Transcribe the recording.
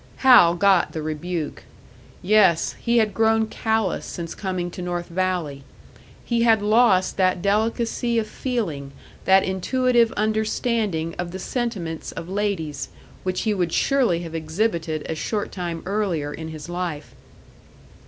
Hal got the rebuke. Yes, he had grown callous since coming to North Valley; he had lost that delicacy of feeling, that intuitive understanding of the sentiments of ladies, which he would surely have exhibited a short time earlier in his life.